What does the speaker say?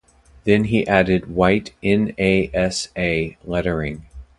Then he added white N-A-S-A lettering.